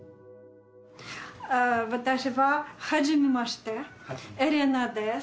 私は、はじめまして、オレナです。